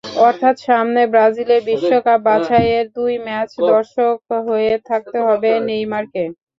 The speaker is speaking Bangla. অর্থাৎ সামনে ব্রাজিলের বিশ্বকাপ বাছাইয়ের দুই ম্যাচে দর্শক হয়ে থাকতে হবে নেইমারকে।